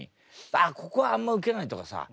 「ああここはあんまウケない」とかさ。